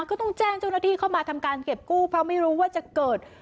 ก็ต้องแจ้งเจ้าหน้าที่เข้ามาทำการเก็บกู้เพราะไม่รู้ว่าจะเกิด